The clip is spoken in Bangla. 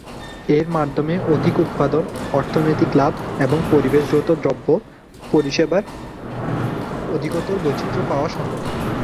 এর মাধ্যমে অধিক উৎপাদন, অর্থনৈতিক লাভ, এবং পরিবেশগত দ্রব্য ও পরিষেবার অধিকতর বৈচিত্র পাওয়া সম্ভব।